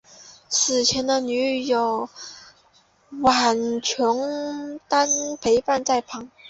死前的女朋友苑琼丹陪伴在旁。